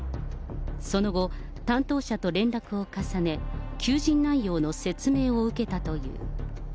その後、担当者と連絡を重ね、求人内容の説明を受けたという。